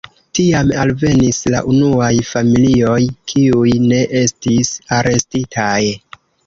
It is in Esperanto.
Tiam alvenis la unuaj familioj, kiuj ne estis arestitaj.